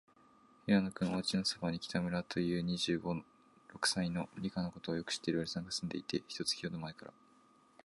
平野君のおうちのそばに、北村という、二十五、六歳の、理科のことをよく知っているおじさんがすんでいて、一月ほどまえから、